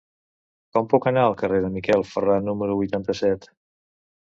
Com puc anar al carrer de Miquel Ferrà número vuitanta-set?